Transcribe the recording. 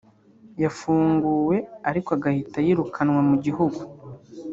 yafunguwe ariko agahita yirukanwa mu gihugu